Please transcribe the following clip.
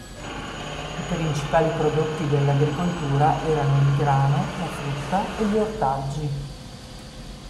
I principali prodotti dell'agricoltura erano il grano, la frutta e gli ortaggi.